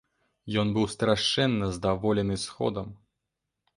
Ён быў страшэнна здаволены сходам.